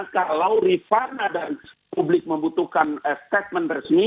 kalau rifana dan publik membutuhkan statement resmi